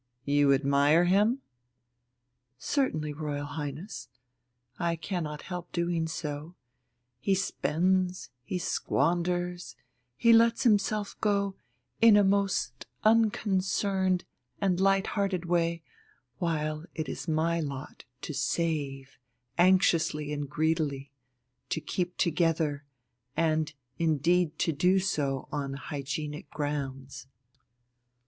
"You admire him?" "Certainly, Royal Highness. I cannot help doing so. He spends, he squanders, he lets himself go in a most unconcerned and light hearted way while it is my lot to save, anxiously and greedily, to keep together, and indeed to do so on hygienic grounds.